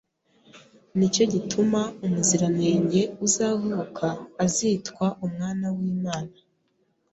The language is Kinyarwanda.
ni cyo gituma Umuziranenge uzavuka azitwa Umwana w’Imana